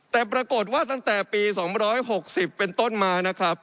แต่ปรากฏว่าตั้งแต่ปี๒๖๐เป็นต้นมานะครับ